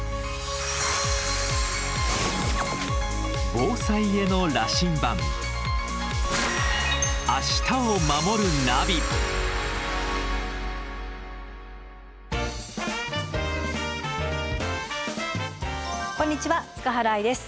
防災への羅針盤こんにちは塚原愛です。